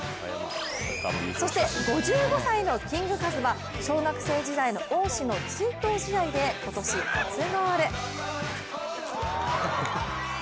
そして５５歳のキングカズは小学生時代の恩師の追悼試合で、今年初ゴール。